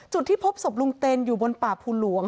จุดที่พบศพลุงเต็นอยู่บนป่าภูหลวง